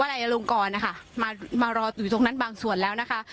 นายอลงกรนะคะมามารออยู่ตรงนั้นบางส่วนแล้วนะคะ